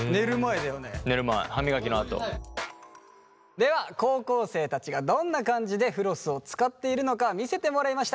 では高校生たちがどんな感じでフロスを使っているのか見せてもらいました。